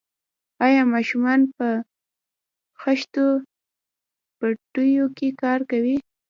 آیا ماشومان په خښتو بټیو کې کار کوي؟